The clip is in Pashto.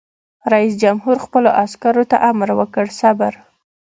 رئیس جمهور خپلو عسکرو ته امر وکړ؛ صبر!